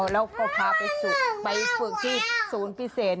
แล้วก็พาไปฝึกที่ศูนย์พิเศษ